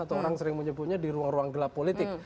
atau orang sering menyebutnya di ruang ruang gelap politik